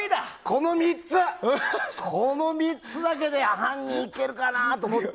この３つだけで犯人いけるかな？と思って。